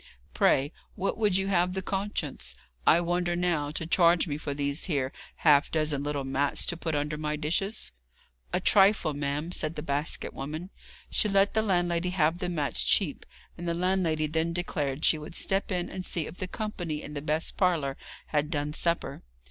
Pray, what would you have the conscience, I wonder now, to charge me for these here half dozen little mats to put under my dishes?' 'A trifle, ma'am,' said the basket woman. She let the landlady have the mats cheap, and the landlady then declared she would step in and see if the company in the best parlour had done supper.